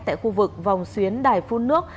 tại khu vực vòng xuyến đài phun nước